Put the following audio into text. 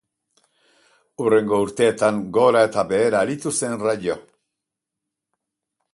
Hurrengo urteetan gora eta behera aritu zen Rayo.